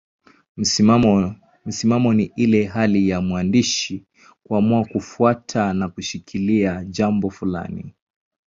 Msimamo ni ile hali ya mwandishi kuamua kufuata na kushikilia jambo fulani.